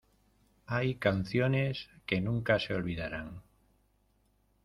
Hay canciones que nunca se olvidarán.